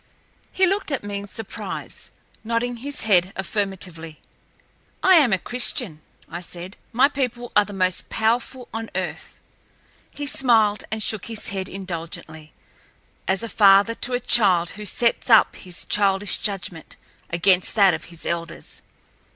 He looked at me in surprise, nodding his head affirmatively. "I am a Christian," I said. "My people are the most powerful on earth." He smiled, and shook his head indulgently, as a father to a child who sets up his childish judgment against that of his elders.